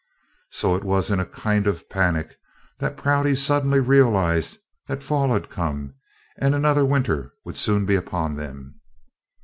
So it was in a kind of panic that Prouty suddenly realized that fall had come and another winter would soon be upon them.